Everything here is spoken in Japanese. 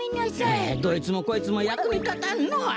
どいつもこいつもやくにたたんのう。